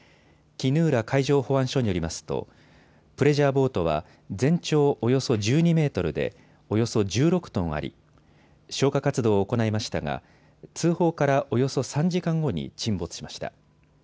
衣浦海上保安署によりますとプレジャーボートは全長およそ１２メートルでおよそ１６トンあり消火活動を行いましたが通報からおよそ３時間後に沈没しました。